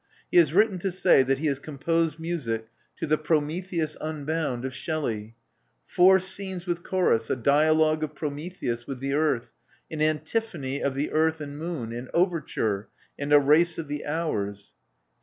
He has written to say that he has composed music to the 'Prometheus Unbound* of Shelley: four scenes with chorus; a dialogue of Prometheus with the earth; an antiphony of the earth and moon; an overture; and a race of the hours."